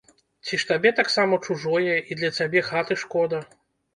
Ці ж табе таксама чужое і для цябе хаты шкода?